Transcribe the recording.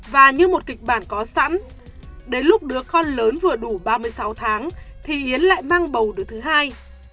và như một kịch bản có sẵn đến lúc đứa con lớn vừa đủ ba mươi sáu tháng thì yến lại mang bầu đứa thứ hai